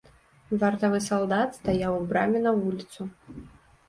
Вартавы салдат стаяў у браме на вуліцу.